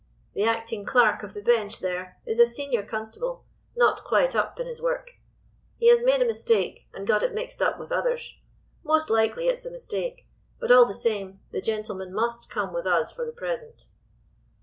The acting clerk of the bench there is a senior constable, not quite up in his work; he has made a mistake, and got it mixed up with others. Most likely it's a mistake, but all the same, the gentleman must come with us for the present."